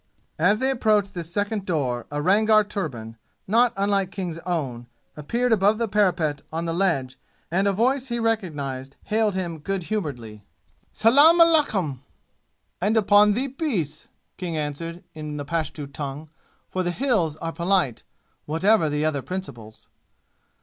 As they approached this second door a Rangar turban, not unlike King's own, appeared above the parapet on the ledge and a voice he recognized hailed him good humoredly. "Salaam aleikoum!" "And upon thee be peace!" King answered in the Pashtu tongue, for the "Hills" are polite, whatever the other principles.